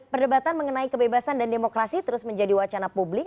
perdebatan mengenai kebebasan dan demokrasi terus menjadi wacana publik